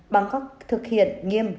bằng cách thực hiện nghiêm